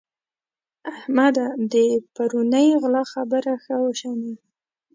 احمده! د پرونۍ غلا خبره ښه وشنئ.